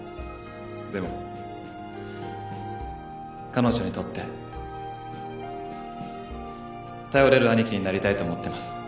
でも彼女にとって頼れる兄貴になりたいと思ってます。